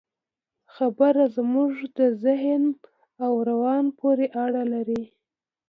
خبره زموږ د ذهن او روان پورې اړه لري.